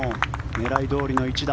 狙いどおりの一打。